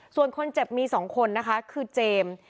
ส่วนคนเจ็บมี๒คนนะคะคือเจมส์